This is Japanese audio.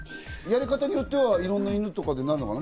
やり方によってはいろんな犬とかでもなるのかな？